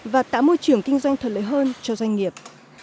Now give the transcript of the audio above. và tạo môi trường kinh doanh thuận lợi hơn cho doanh nghiệp